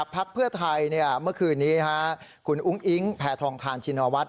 พักเพื่อไทยเมื่อคืนนี้คุณอุ้งอิ๊งแพทองทานชินวัฒน